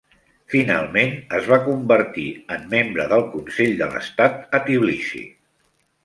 Finalment es va convertir en membre del Consell de l'Estat a Tbilisi.